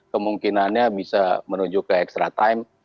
kemungkinannya bisa menuju ke extra time